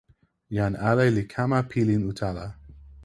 jan ale li kama pilin utala.